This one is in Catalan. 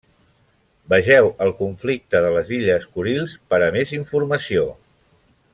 Vegeu el conflicte de les illes Kurils per a més informació.